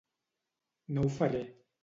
No ho faré.